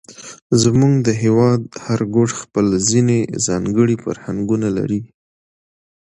زموږ د هېواد هر ګوټ خپل ځېنې ځانګړي فرهنګونه لري،